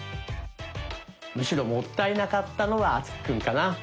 むしろもったいなかったのは敦貴くんかな。